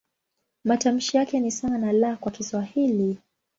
Matamshi yake ni sawa na "L" kwa Kiswahili.